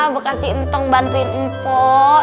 aku berkasih untuk bantuin mpok